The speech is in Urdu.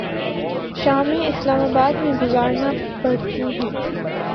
شامیں اسلام آباد میں گزارنا پڑتی ہیں۔